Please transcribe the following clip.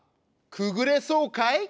くぐれそうかい？